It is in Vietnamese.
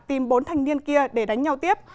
tìm bốn thanh niên kia để đánh nhau tiếp